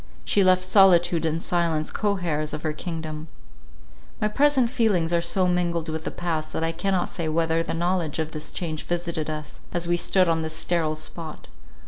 She left solitude and silence co heirs of her kingdom. My present feelings are so mingled with the past, that I cannot say whether the knowledge of this change visited us, as we stood on this sterile spot.